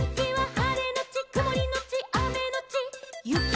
「はれのちくもりのちあめのちゆき」